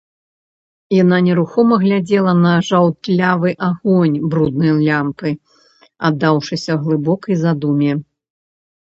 Яна нерухома глядзела на жаўтлявы агонь бруднай лямпы, аддаўшыся глыбокай задуме.